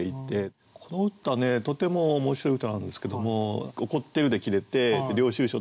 この歌ねとても面白い歌なんですけども「怒ってる。」で切れて「領収書。」って。